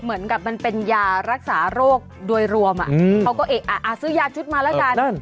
เหมือนกับมันเป็นยารักษาโรคโดยรวมเขาก็เอ๊ะซื้อยาชุดมาแล้วกัน